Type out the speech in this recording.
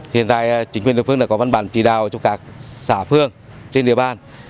hiện tại chính quyền địa phương đã có văn bản chỉ đào cho các xã phương trên địa bàn